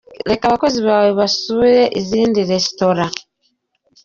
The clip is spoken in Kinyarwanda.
Reka abakozi bawe basure izindi restaurant .